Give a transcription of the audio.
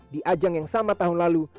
di ajang yang sama tahun lalu